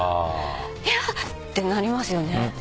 ひゃってなりますよね。